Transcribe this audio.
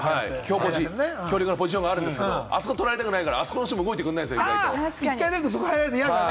強力なポジションがあるんですけど、あそこを取られたくないから、あそこ動いてくれないんですよ。